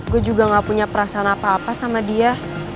gue juga gak punya perasaan apa apa sama dia